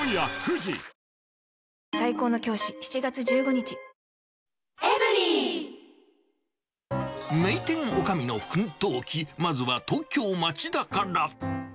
うまダブルなんで名店おかみの奮闘記、まずは東京・町田から。